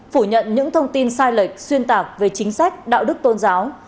phủ nhận những thông tin sai lệch xuyên tạc về chính sách đạo đức tôn giáo